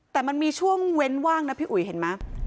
แต่มันมีช่วงเว้นว่างนะพี่อุ๋ยเห็นไหม